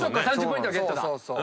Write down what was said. ３０ポイントゲットだ。